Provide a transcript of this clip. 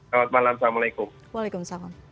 selamat malam assalamualaikum